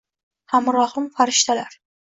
Hamrohim farishtalar.